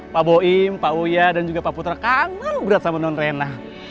pak boim pak uya dan juga pak putra kangen berat sama non rena